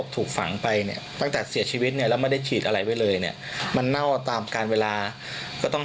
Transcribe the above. ถูกฝังไปเนี่ยตั้งแต่เสียชีวิตเนี่ยแล้วไม่ได้ฉีดอะไรไว้เลยเนี่ยมันเน่าตามการเวลาก็ต้อง